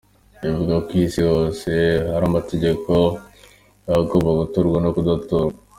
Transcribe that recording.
Avuga ko ku Isi hose hari amategeko y’ahagomba guturwa no kudaturwa.